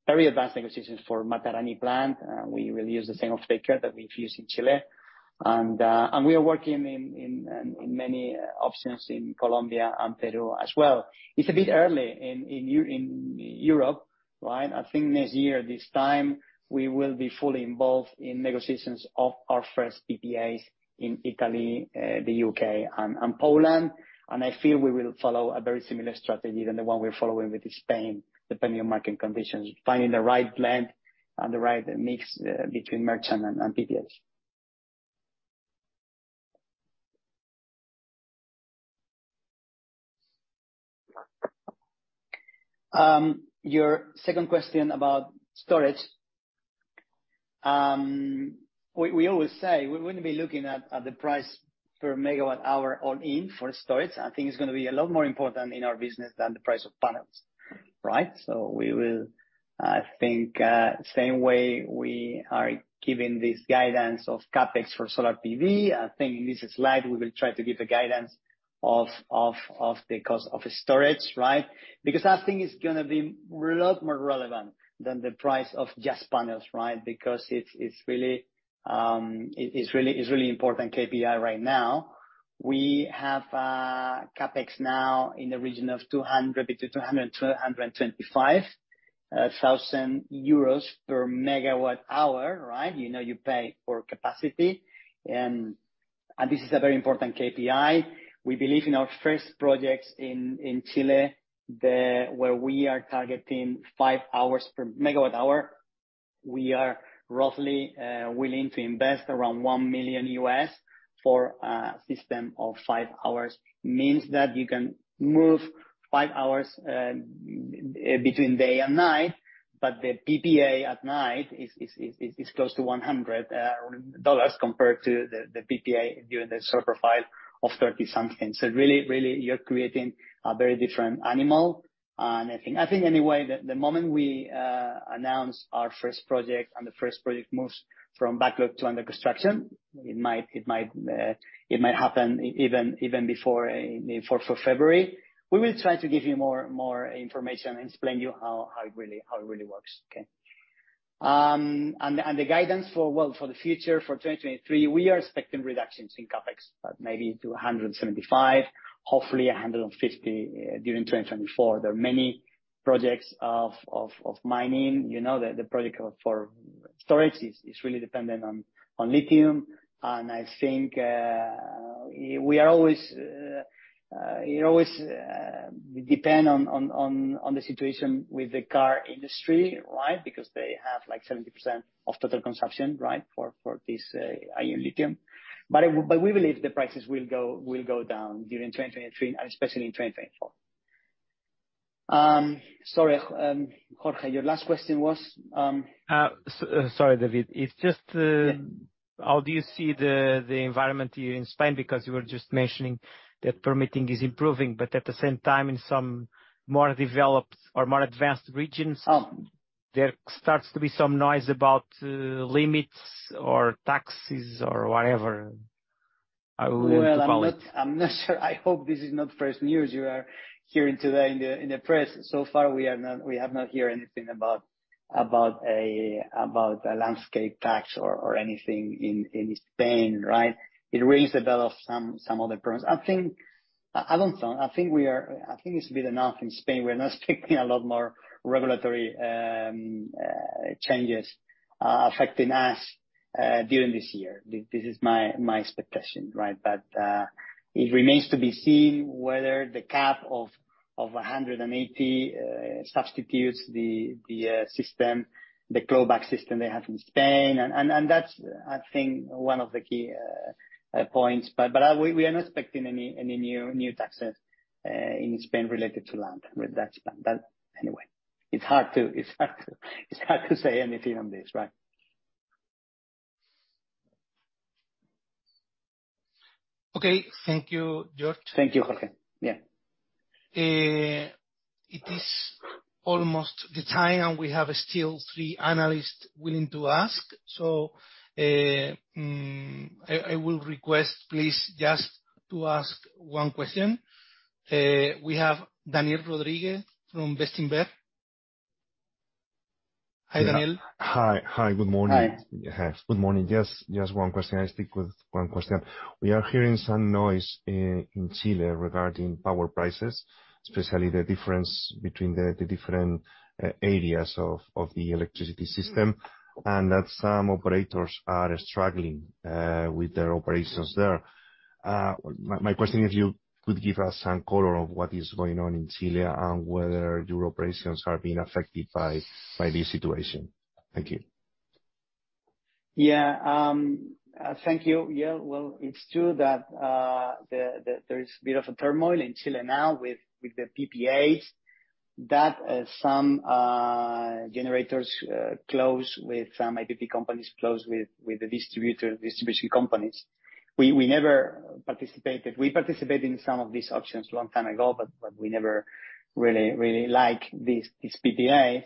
very advanced negotiations for Matarani plant. Uh, we will use the same off-taker that we've used in Chile. And, uh, and we are working in, in many options in Colombia and Peru as well. It's a bit early in Europe, right? I think next year this time, we will be fully involved in negotiations of our first PPAs in Italy, the U.K., and Poland. I feel we will follow a very similar strategy than the one we're following with Spain, depending on market conditions, finding the right blend and the right mix between merchant and PPAs. Your second question about storage. We always say we're gonna be looking at the price per megawatt-hour all in for storage. I think it's gonna be a lot more important in our business than the price of panels, right? I think same way we are giving this guidance of CapEx for solar PV, I think in this slide, we will try to give a guidance of the cost of storage, right? Because I think it's gonna be lot more relevant than the price of just panels, right? Because it's really important KPI right now. We have CapEx now in the region of between 200,000 and 225,000 euros per MWh, right? You know, you pay for capacity, and this is a very important KPI. We believe in our first projects in Chile where we are targeting five hours per MWh, we are roughly willing to invest around $1 million for a system of five hours. Means that you can move 5 hours between day and night, but the PPA at night is close to $100 compared to the PPA during the solar profile of 30-something. Really, really, you're creating a very different animal. I think anyway, the moment we announce our first project and the first project moves from backlog to under construction, it might happen even before February. We will try to give you more information and explain you how it really works. Okay? The guidance for the future, for 2023, we are expecting reductions in CapEx, but maybe to 175, hopefully 150 during 2024. There are many projects of mining. You know, the project for storage is really dependent on lithium. I think it always depend on the situation with the car industry, right? Because they have like 70% of total consumption, right? For this lithium-ion. We believe the prices will go down during 2023 and especially in 2024. Sorry, Jorge, your last question was. Sorry, David. Yeah. How do you see the environment here in Spain? Because you were just mentioning that permitting is improving, but at the same time, in some more developed or more advanced regions. Oh. There starts to be some noise about limits or taxes or whatever we would call it. Well, I'm not sure. I hope this is not first news you are hearing today in the press. So far, we have not heard anything about a landscape tax or anything in Spain, right? It rings a bell of some other problems. I don't think. I think it's a bit enough in Spain. We're not expecting a lot more regulatory changes affecting us during this year. This is my expectation, right? It remains to be seen whether the cap of 180 substitutes the clawback system they have in Spain. That's, I think, one of the key points. We are not expecting any new taxes in Spain related to land. Anyway, it's hard to say anything on this, right? Okay. Thank you, Jorge. Thank you, Jorge. Yeah. It is almost the time, and we have still three analysts willing to ask. I will request, please, just to ask one question. We have Daniel Rodríguez from Bestinver. Hi, Daniel. Yeah. Hi. Good morning. Hi. Yes. Good morning. Yes, just one question. I stick with one question. We are hearing some noise in Chile regarding power prices, especially the difference between the different areas of the electricity system, and that some operators are struggling with their operations there. My question is if you could give us some color of what is going on in Chile and whether your operations are being affected by this situation. Thank you. Yeah. Thank you. Yeah. Well, it's true that there is a bit of a turmoil in Chile now with the PPAs that some generators close with some ADP companies, close with the distribution companies. We never participated. We participated in some of these auctions long time ago, but we never really like these PPAs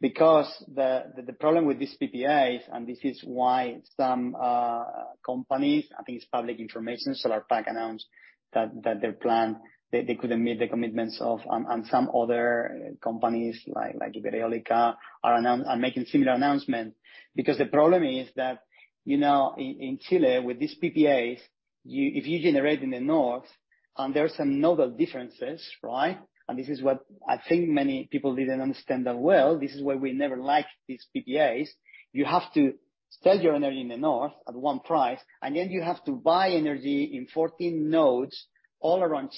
because the problem with these PPAs, and this is why some companies, I think it's public information, Solarpack announced that their plan, they couldn't meet the commitments. Some other companies like Iberdrola are making similar announcement. Because the problem is that, you know, in Chile, with these PPAs, if you generate in the north, and there are some nodal differences, right? This is what I think many people didn't understand that well. This is why we never liked these PPAs. You have to sell your energy in the north at one price, and then you have to buy energy in 14 nodes all around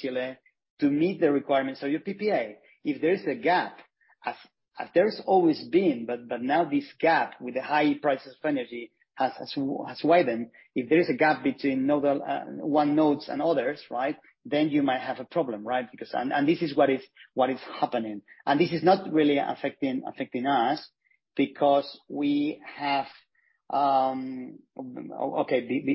Chile to meet the requirements of your PPA. If there is a gap, as there's always been, but now this gap with the high prices of energy has widened. If there is a gap between nodal one nodes and others, right? You might have a problem, right? This is what is happening. This is not really affecting us. Okay.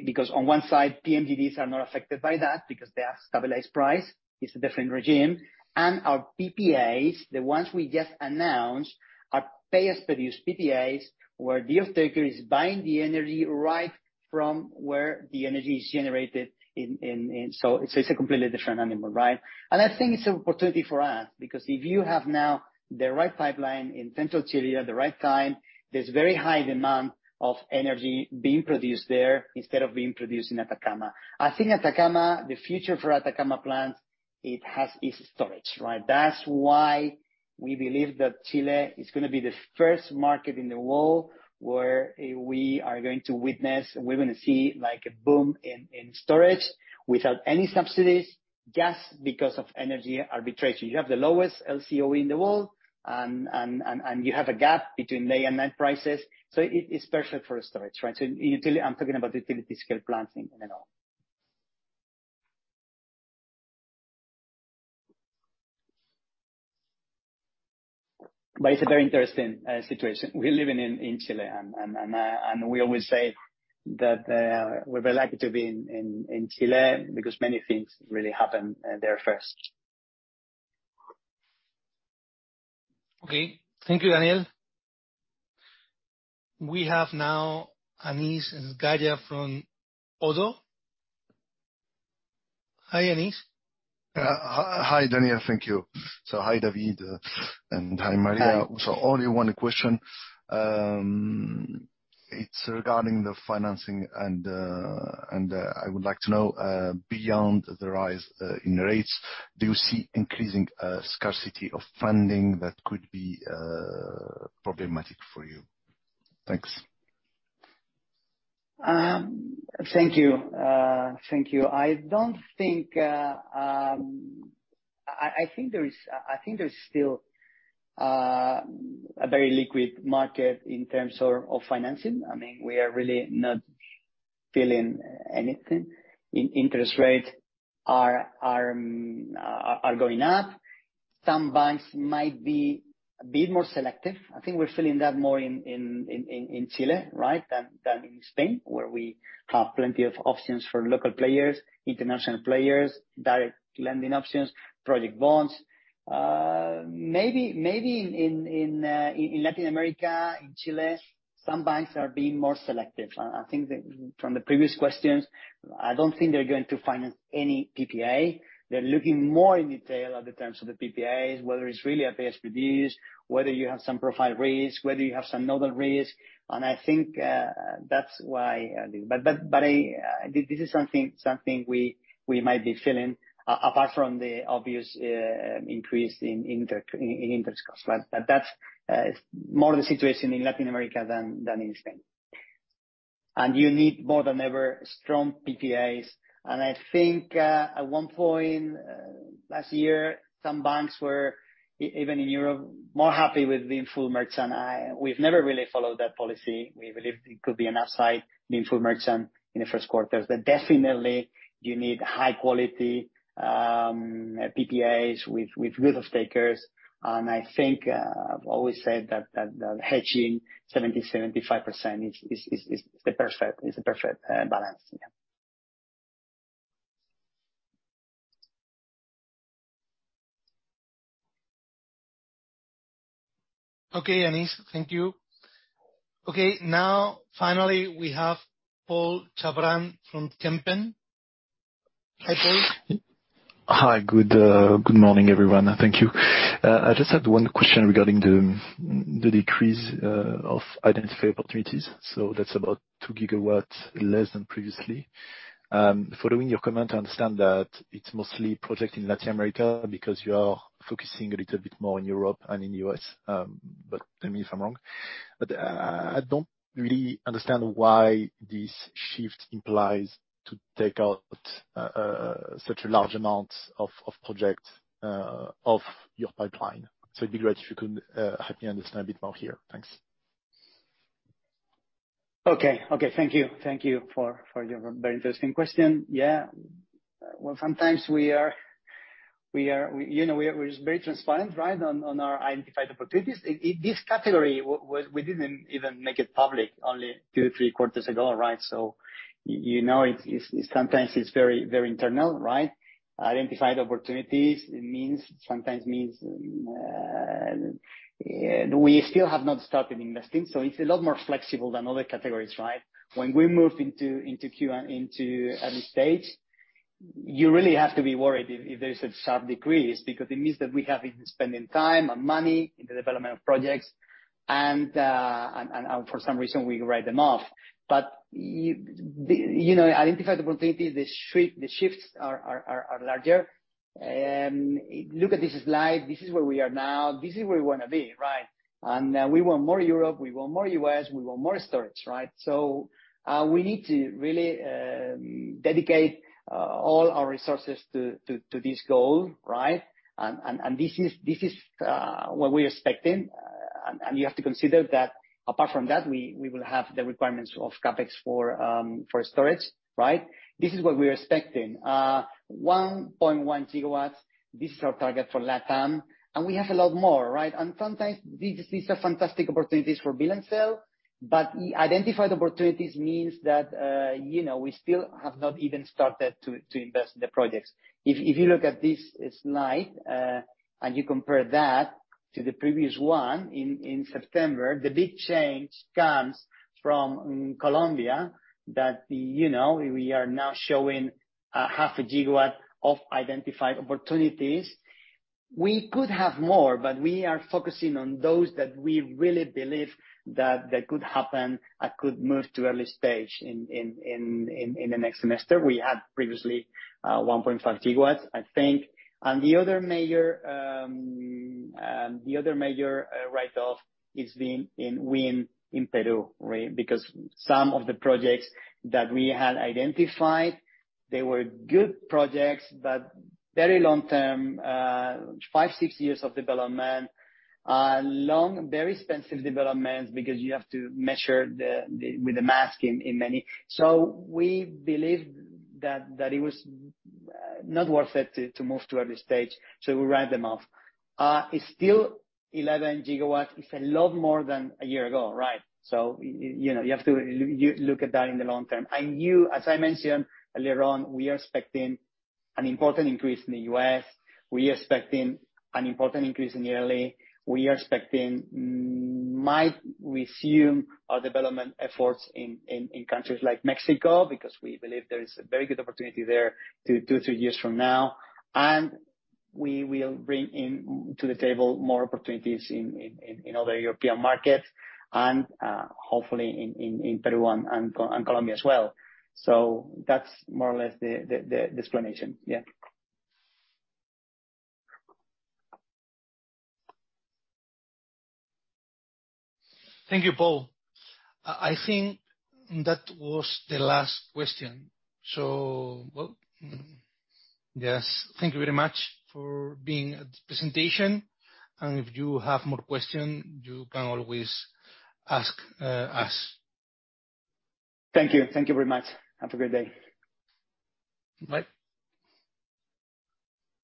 Because on one side, PMGDs are not affected by that because they are stabilized price. It's a different regime. Our PPAs, the ones we just announced, are pay-as-produced PPAs, where the off-taker is buying the energy right from where the energy is generated. It's a completely different animal, right? I think it's an opportunity for us because if you have now the right pipeline in central Chile at the right time, there's very high demand of energy being produced there instead of being produced in Atacama. I think Atacama, the future for Atacama plant, is storage, right? That's why we believe that Chile is gonna be the first market in the world where we're gonna see like a boom in storage without any subsidies, just because of energy arbitrage. You have the lowest LCOE in the world and you have a gap between day and night prices, so it's perfect for storage, right? In utility, I'm talking about utility-scale plants, you know. It's a very interesting situation we're living in Chile. We always say that we're very lucky to be in Chile because many things really happen there first. Okay. Thank you, Daniel. We have now Anis Zgaya from ODDO. Hi, Anis. Hi, Daniel. Thank you. Hi, David, and hi, María. Hi. Only one question. It's regarding the financing and I would like to know, beyond the rise in rates, do you see increasing scarcity of funding that could be problematic for you? Thanks. Thank you. I think there's still a very liquid market in terms of financing. I mean, we are really not feeling anything. Interest rates are going up. Some banks might be a bit more selective. I think we're feeling that more in Chile, right? Than in Spain, where we have plenty of options for local players, international players, direct lending options, project bonds. Maybe in Latin America, in Chile, some banks are being more selective. I think that from the previous questions, I don't think they're going to finance any PPA. They're looking more in detail at the terms of the PPAs, whether it's really a pay-as-produced, whether you have some profile risk, whether you have some nodal risk, and I think that's why. This is something we might be feeling apart from the obvious increase in interest costs. That's more the situation in Latin America than in Spain. You need more than ever strong PPAs. I think at one point last year, some banks were even in Europe, more happy with the full merchant. We've never really followed that policy. We believe it could be an upside, the full merchant, in the first quarters. Definitely you need high quality PPAs with real off-takers. I think I've always said that hedging 70%-75% is the perfect balance. Yeah. Okay, Anis. Thank you. Okay, now finally we have Paul Chabran from Kempen. Hi, Paul. Hi. Good morning, everyone. Thank you. I just had one question regarding the decrease of identified opportunities. That's about 2 GW less than previously. Following your comment, I understand that it's mostly project in Latin America because you are focusing a little bit more in Europe and in U.S. Tell me if I'm wrong. I don't really understand why this shift implies to take out such a large amount of projects of your pipeline. It'd be great if you could help me understand a bit more here. Thanks. Okay, thank you for your very interesting question. Yeah. Well, sometimes we are, you know, we're very transparent, right, on our identified opportunities. In this category, we didn't even make it public only 2-3 quarters ago, right? You know, it's sometimes very internal, right? Identified opportunities, it sometimes means we still have not started investing, so it's a lot more flexible than other categories, right? When we move into early stage, you really have to be worried if there's a sharp decrease because it means that we have been spending time and money in the development of projects and for some reason we write them off. You know, identified opportunities, the shifts are larger. Look at this slide. This is where we are now. This is where we wanna be, right? We want more Europe, we want more U.S., we want more storage, right? We need to really dedicate all our resources to this goal, right? This is what we're expecting. You have to consider that apart from that, we will have the requirements of CapEx for storage, right? This is what we are expecting. 1.1 GW, this is our target for LatAm, and we have a lot more, right? Sometimes these are fantastic opportunities for build to sell, but identified opportunities means that, you know, we still have not even started to invest in the projects. If you look at this slide and you compare that to the previous one in September, the big change comes from Colombia that, you know, we are now showing 0.5 GW of identified opportunities. We could have more, but we are focusing on those that we really believe that they could happen, could move to early stage in the next semester. We had previously 1.5 GW, I think. The other major write-off is the wind in Peru, right? Because some of the projects that we had identified, they were good projects, but very long-term, 5-6 years of development. Long, very expensive developments because you have to measure with the mast in many. So we believe that it was, uh, not worth it to move to early stage, so we write them off. Uh, it's still 11 GW. It's a lot more than a year ago, right? So y-you know, you have to l-l-look at that in the long term. And you, as I mentioned earlier on, we are expecting an important increase in the U.S., we are expecting an important increase in the L.A., we are expecting mm... might resume our development efforts in, in countries like Mexico, because we believe there is a very good opportunity there two, three years from now. And we will bring in to the table more opportunities in, in other European markets and, uh, hopefully in, in Peru and, and Colombia as well. So that's more or less the, the explanation. Yeah. Thank you, Paul. I think that was the last question. Well, yes. Thank you very much for being at the presentation. If you have more question, you can always ask us. Thank you. Thank you very much. Have a great day. Bye.